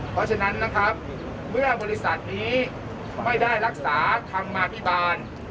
เพราะฉะนั้นนะครับเมื่อบริษัทนี้ไม่ได้รักษาธรรมาภิบาล